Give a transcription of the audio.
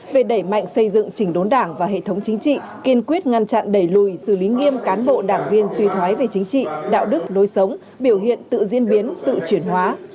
về đẩy mạnh xây dựng chỉnh đốn đảng và hệ thống chính trị kiên quyết ngăn chặn đẩy lùi xử lý nghiêm cán bộ đảng viên suy thoái về chính trị đạo đức lối sống biểu hiện tự diễn biến tự chuyển hóa